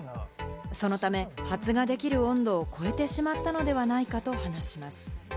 そのため発芽できる温度を超えてしまったのではないかと話します。